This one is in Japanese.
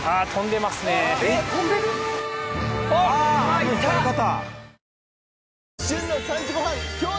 あの光り方。